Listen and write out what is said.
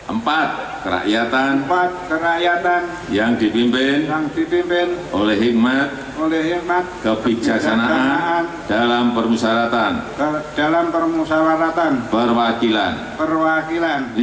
empat kerakyatan yang dipimpin oleh hikmat kebijaksanaan